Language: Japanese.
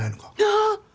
あっ！